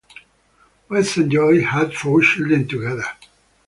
West and Joy had four children together.